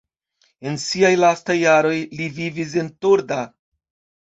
En siaj lastaj jaroj li vivis en Torda.